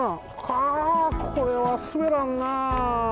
はあこれはすべらんな！